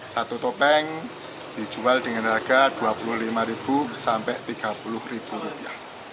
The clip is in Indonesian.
satu topeng dijual dengan harga dua puluh lima sampai tiga puluh rupiah